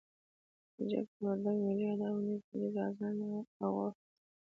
د جغتو، وردگ، ملي هدف اونيزه، دريځ، آذان او عهد په څېر